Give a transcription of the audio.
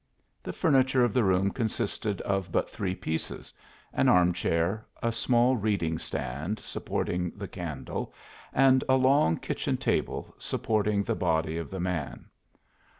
The furniture of the room consisted of but three pieces an arm chair, a small reading stand supporting the candle, and a long kitchen table, supporting the body of the man.